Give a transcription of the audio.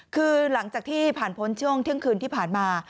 คือหลังจากที่ผ่านพ้นช่วงเที่ยงคืนที่ผ่านมา